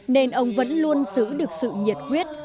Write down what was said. nên ông vẫn luôn giữ được sự nhiệt quyết